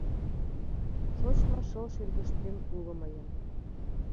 Шочмо шыл шӱргыштем уло мыйын